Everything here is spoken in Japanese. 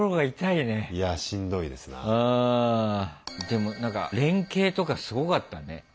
でも何か連携とかすごかったね。